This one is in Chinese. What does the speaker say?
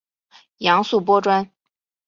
杨素颇专。